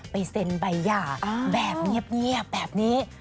เซ็นใบหย่าแบบเงียบแบบนี้